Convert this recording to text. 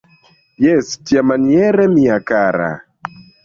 Jes, tiamaniere, mia kara!